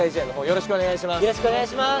よろしくお願いします。